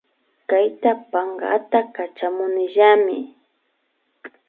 Kayta pankata Kachamunillami